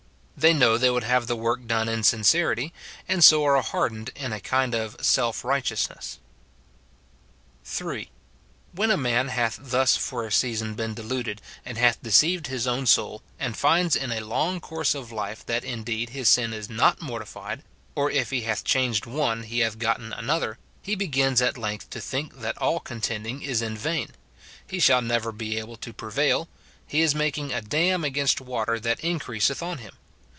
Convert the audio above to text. They know they would have the work done in sincerity, and so are hardened in a kind of self righteousness. (3.) When a man hath thus for a season been deluded, and hath deceived his own soul, and finds in a long course of life that indeed his sin is not mortified^ or if he hath changed one he hath gotten another, he begins at length to think that all contending is in vain, — he shall never be able to prevail ; he is making a dam against water that increaseth on him.